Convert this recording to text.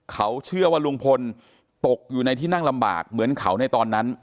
เขาเชื่อว่าลุงพลตกอยู่ในที่นั่งลำบากเหมือนเขาในตอนนั้น